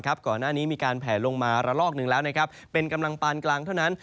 ก่อนหน้านี้มีการแผลลงมาระลอกหนึ่งแล้วเป็นกำลังปานกลางเท่านั้น